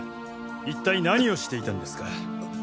一体何をしていたんですか？